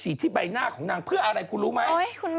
ที่ใบหน้าของนางเพื่ออะไรคุณรู้ไหม